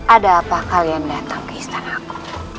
ada apa kalian datang ke istana aku